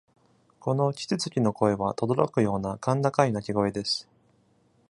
このキツツキの声は、とどろくような、甲高い鳴き声です。